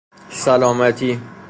سلامتی